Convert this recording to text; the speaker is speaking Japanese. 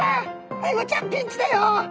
アイゴちゃんピンチだよ！